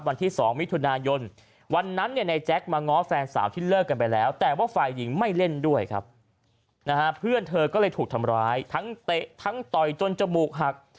วันที่๒มิถุนายนวันนั้นเนี่ยในแจ๊คมาง้อแฟนสาวที่เลิกกันไปแล้วแต่ว่าฝ่ายหญิงไม่เล่นด้วยครับนะฮะเพื่อนเธอก็เลยถูกทำร้ายทั้งเตะทั้งต่อยจนจมูกหัก